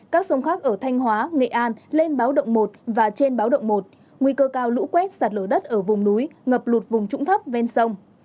các sông khác ở thanh hóa nghệ an lên báo động một và trên báo động một nguy cơ cao lũ quét sạt lở đất ở vùng núi ngập lụt vùng trũng thấp ven sông